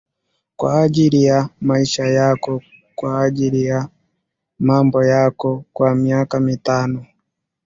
kwa jilii ya maisha yako kwa ajili ya mambo yako kwa miaka mitano